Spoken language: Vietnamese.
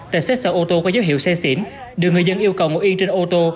tại xe sở ô tô có dấu hiệu xe xỉn đường người dân yêu cầu ngồi yên trên ô tô